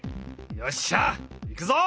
よっしゃいくぞ！